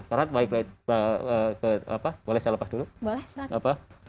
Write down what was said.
karena boleh saya lepas dulu boleh